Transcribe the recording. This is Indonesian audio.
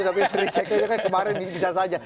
tapi rechecknya itu kan kemarin bisa saja